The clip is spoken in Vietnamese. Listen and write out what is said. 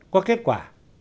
có kết quả